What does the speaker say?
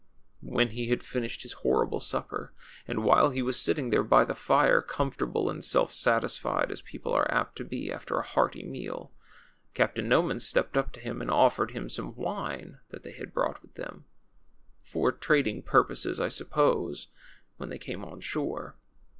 When he had flnished his horrible supper, and Avhile he was sitting there by the fire, comfortable and self satisfied as people are apt to be after a hearty meal, Captain Noman stepped up to him and offered him some Avine that they had brought with them — for trading purposes, I suppose — Avhen they came on shore.